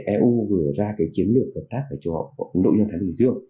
eu gửi ra chiến lược hợp tác với châu âu eu